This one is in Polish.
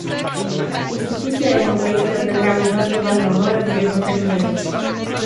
Instytucje europejskie odegrały bardzo ważną rolę w zjednoczeniu Niemiec